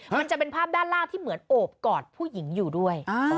มันจะเป็นภาพด้านล่างที่เหมือนโอบกอดผู้หญิงอยู่ด้วย